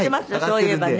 そういえばね。